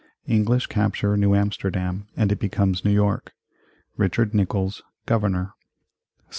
English capture New Amsterdam and it becomes New York Richard Nicolls Governor 1667.